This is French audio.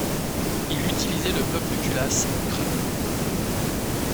Il utilisait le bloc de culasse Krupp.